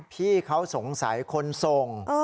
พี่เขาสงสัยคนส่ง